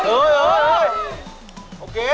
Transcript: โอเค